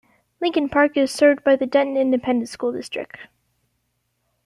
Lincoln Park is served by the Denton Independent School District.